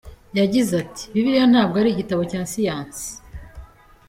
Yagize ati “ Bibiliya ntabwo ari igitabo cya siyansi.